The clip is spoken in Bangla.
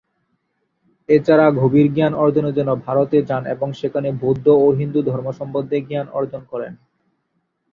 এছাড়া গভীর জ্ঞান অর্জনের জন্য ভারতে যান এবং সেখানে বৌদ্ধ ও হিন্দু ধর্ম সম্বন্ধে জ্ঞান অর্জন করেন।